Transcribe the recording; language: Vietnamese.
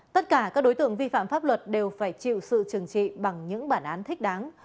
tất cả các đối tượng vi phạm pháp luật đều phải chịu sự trừng trị bằng những bản án thích đáng